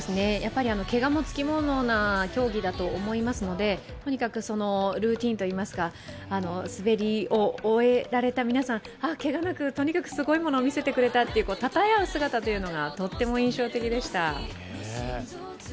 けがもつきものな競技だと思いますので、とにかくルーティンと言いますか、滑りを終えられた皆さん、ああ、けがなく、とにかくすごいものを見せてくれたとたたえ合う姿がとっても印象的でした。